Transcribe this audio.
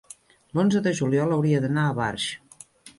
L'onze de juliol hauria d'anar a Barx.